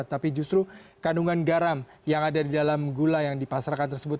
tapi justru kandungan garam yang ada di dalam gula yang dipasarkan tersebut